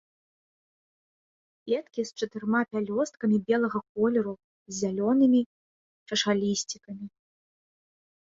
Кветкі з чатырма пялёсткамі белага колеру, з зялёнымі чашалісцікамі.